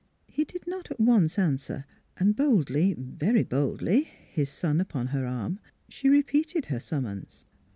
He did not at once answer; and boldly very boldly his son upon her arm, she repeated her summons.